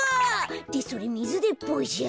ってそれみずでっぽうじゃ？